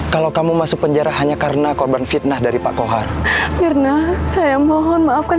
kalau kamu masuk penjara hanya karena korban fitnah dari pak kohar mirna saya mohon maafkan